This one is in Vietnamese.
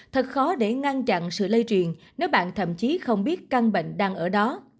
thật khó để ngăn chặn sự lây truyền nếu bạn thậm chí không biết căn bệnh đang ở đó